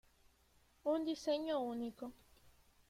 Un diseño único.